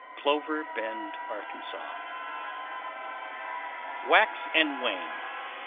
Clover Bend, Ark. WAX AND WANE.